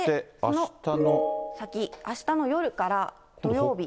先、あしたの夜から土曜日。